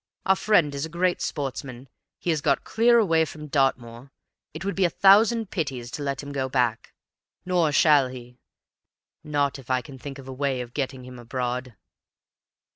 Our friend is a great sportsman; he has got clear away from Dartmoor; it would be a thousand pities to let him go back. Nor shall he; not if I can think of a way of getting him abroad."